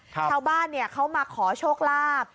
ชาวบ้านเขามาขอโชคลาภ